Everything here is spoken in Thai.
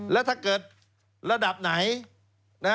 แล้วถ้าเกิดระดับไหน